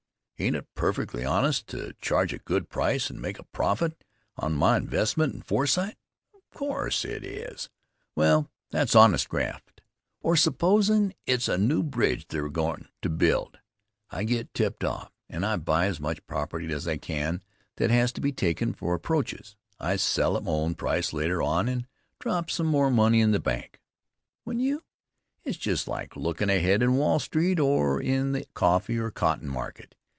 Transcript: Ain't it perfectly honest to charge a good price and make a profit on my investment and foresight? Of course, it is. Well, that's honest graft. Or supposin' it's a new bridge they're goin' to build. I get tipped off and I buy as much property as I can that has to be taken for approaches. I sell at my own price later on and drop some more money in the bank. Wouldn't you? It's just like lookin' ahead in Wall Street or in the coffee or cotton market.